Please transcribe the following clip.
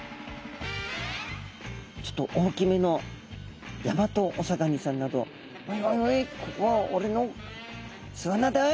ちょっと大きめのヤマトオサガニさんなど「おいおいおい！